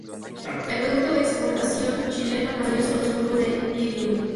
El producto de exportación chileno más valioso son los bulbos de lilium.